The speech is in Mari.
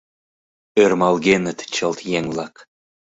Ӧрмалгеныт чылт еҥ-влак